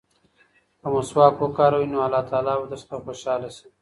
که مسواک وکاروې نو الله تعالی به درڅخه خوشحاله شي.